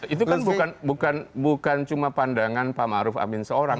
itu bukan cuma pandangan pak ma'ruf amin seorang